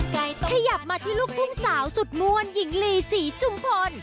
ขยับมาที่ลูกทุ่งสาวสุดม่วนหญิงลีศรีจุมพล